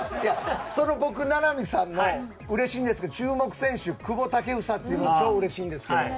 僕、名波さんのうれしいんですけど注目選手、久保建英っていうのめっちゃうれしいんですけど。